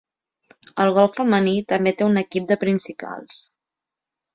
El golf femení també té un equip de principals.